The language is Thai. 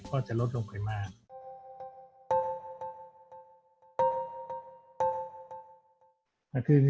ก็จะลดลงความความมาลใจ